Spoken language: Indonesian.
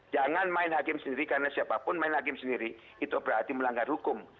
jangan main hakim sendiri karena siapapun main hakim sendiri itu berarti melanggar hukum